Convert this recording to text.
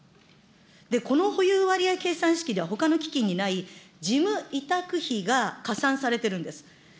この保有割合計算式ではほかの基金にない、事務委託費が加算されてるんです。